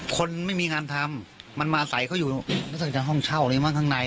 คนไม่มีงานทำมันมาใส่เขาอยู่รู้สึกจะห้องเช่าเลยมั้งข้างใน